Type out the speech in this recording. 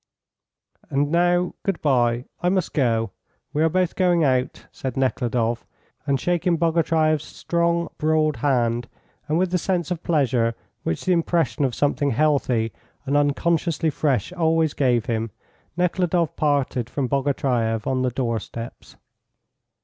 "And now good bye; I must go. We are both going out," said Nekhludoff, and shaking Bogatyreff's strong, broad hand, and with the sense of pleasure which the impression of something healthy and unconsciously fresh always gave him, Nekhludoff parted from Bogatyreff on the door steps.